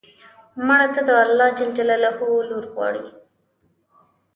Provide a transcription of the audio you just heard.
مړه ته د الله ج لور غواړو